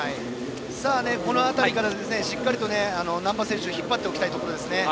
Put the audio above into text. この辺りからしっかり難波選手引っ張っていきたいです。